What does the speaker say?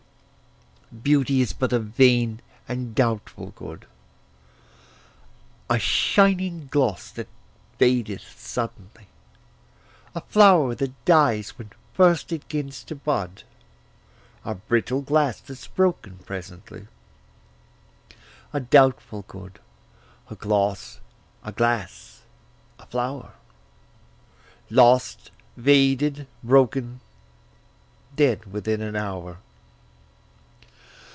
Beauty is but a vain and doubtful good; A shining gloss that vadeth suddenly; A flower that dies when first it gins to bud; A brittle glass that's broken presently: A doubtful good, a gloss, a glass, a flower, Lost, vaded, broken, dead within an hour.